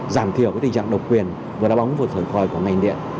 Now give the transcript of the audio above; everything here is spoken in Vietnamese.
giảm thiểu cái tình trạng độc quyền vừa đá bóng vừa thở khỏi của ngành điện